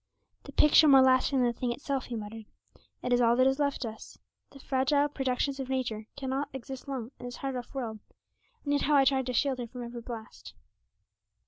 'The picture more lasting than the thing itself,' he muttered; 'it is all that is left us; the fragile productions of nature cannot exist long in this hard, rough world, and yet how I tried to shield her from every blast!'